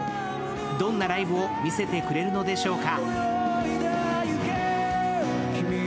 どんなライブを見せてくれるのでしょうか。